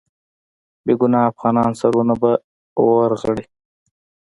بې ګناه افغانانو سرونه به ورغړي.